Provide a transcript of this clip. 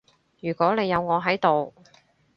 如果你有我喺度